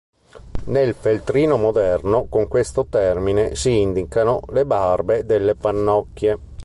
Nel feltrino moderno con questo termine si indicano le barbe delle pannocchie.